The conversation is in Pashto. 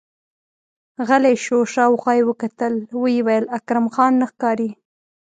غلی شو، شاوخوا يې وکتل، ويې ويل: اکرم خان نه ښکاري!